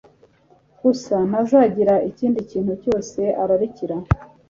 gusa, ntazagira ikindi kintu cyose ararikira.